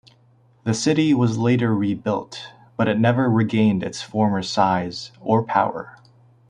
The city was later rebuilt, but it never regained its former size or power.